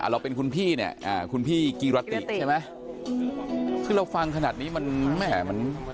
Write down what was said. เราเป็นคุณพี่เนี่ยคุณพี่กีรติใช่ไหมคือเราฟังขนาดนี้มันแม่มัน